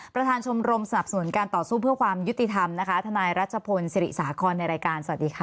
ประธานชมรมสนับสนุนการต่อสู้เพื่อความยุติธรรมนะคะทนายรัชพลศิริสาคอนในรายการสวัสดีค่ะ